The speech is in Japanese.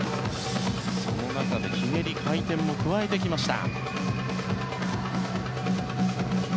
その中でひねり、回転も加えてきました。